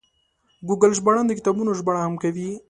ګوګل ژباړن د کتابونو ژباړه هم کوي.